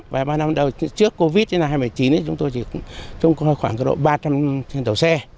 và ba năm trước covid một mươi chín chúng tôi chỉ trông coi khoảng ba trăm linh tàu xe